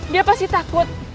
dia pasti takut